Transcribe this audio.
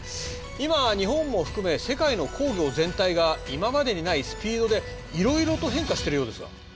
今日本も含め世界の工業全体が今までにないスピードでいろいろと変化してるようですが。